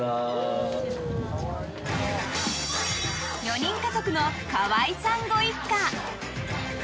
４人家族の河合さんご一家。